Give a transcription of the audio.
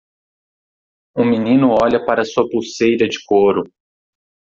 Um menino olha para sua pulseira de couro.